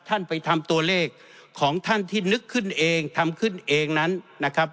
ท่านไปทำตัวเลขของท่านที่นึกขึ้นเองทำขึ้นเองนั้นนะครับ